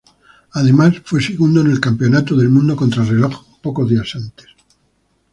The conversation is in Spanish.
Además fue segundo en el Campeonato del Mundo Contrarreloj pocos días antes.